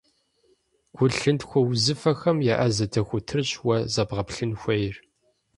Гу-лъынтхуэ узыфэхэм еӏэзэ дохутырщ уэ зэбгъэплъын хуейр.